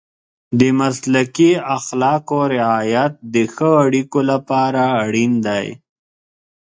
د مسلکي اخلاقو رعایت د ښه اړیکو لپاره اړین دی.